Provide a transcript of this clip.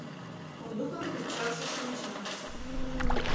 Олюкын курчакше шинча